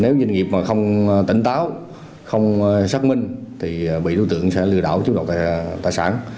nếu doanh nghiệp không tỉnh táo không xác minh thì bị doanh nghiệp sẽ lừa đảo chức độc tài sản